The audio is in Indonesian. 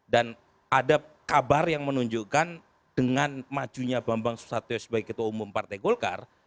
dan ada kabar yang menunjukkan dengan majunya bambang susatyo sebagai ketua umum partai golkar